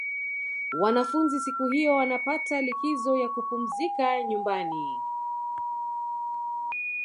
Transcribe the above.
wanafunzi siku hiyo wanapata likizo ya kupumzika nyumbani